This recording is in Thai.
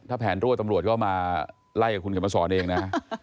ถ้าแผนรั่วตำรวจก็มาไล่กับคุณเขียนมาสอนเองนะ